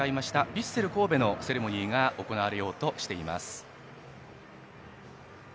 ヴィッセル神戸のセレモニーが行われようとしています。